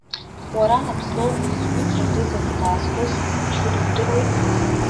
Уара нап злоукыз зҩыҵра дыҵакны даазго зегь зымчу думдыруеи.